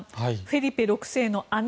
フェリペ６世の姉